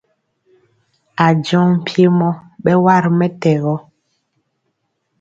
Ajɔŋ mpiemɔ bɛwa ri mɛtɛgɔ.